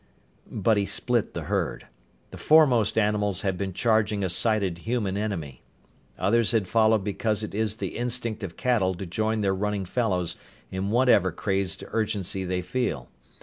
But he split the herd. The foremost animals had been charging a sighted human enemy. Others had followed because it is the instinct of cattle to join their running fellows in whatever crazed urgency they feel.